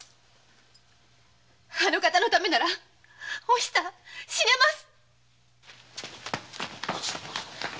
あの方のためならおひさ死ねます！